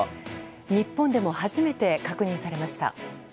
日本でも初めて確認されました。